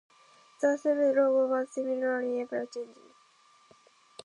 The strip's logo was similarly ever-changing.